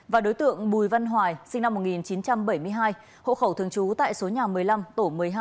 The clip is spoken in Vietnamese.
và đối tượng bùi văn hoài sinh năm một nghìn chín trăm bảy mươi hai hộ khẩu thường trú tại số nhà một mươi năm tổ một mươi hai